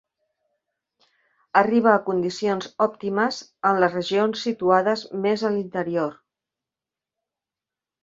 Arriba a condicions òptimes en les regions situades més a l'interior.